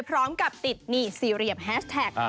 พร้อมกับติดนี่สี่เหลี่ยมแฮชแท็ก